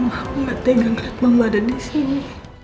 aku gak tegang tegang ada di sini